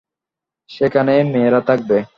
সেখানে মেয়েরা থাকবে।